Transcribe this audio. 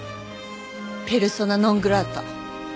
ペルソナ・ノン・グラータ。